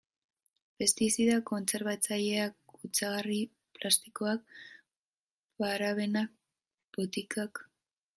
Pestizidak, kontserbatzaileak, kutsagarri plastikoak, parabenak, botikak...